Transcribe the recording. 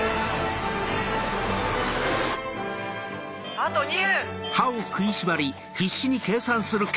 あと２分！